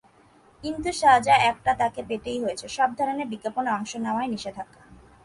কিন্তু সাজা একটা তাঁকে পেতেই হয়েছে—সব ধরনের বিজ্ঞাপনে অংশ নেওয়ায় নিষেধাজ্ঞা।